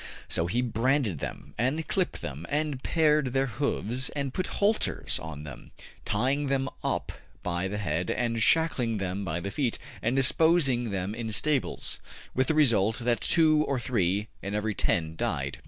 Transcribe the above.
'' So he branded them, and clipped them, and pared their hoofs, and put halters on them, tying them up by the head and shackling them by the feet, and disposing them in stables, with the result that two or three in every ten died.